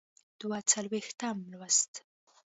دوه څلویښتم لوست.